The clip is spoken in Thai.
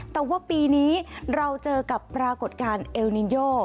แต่ว่าปีนี้เราเจอกับปรากฏการณ์เอลนินโย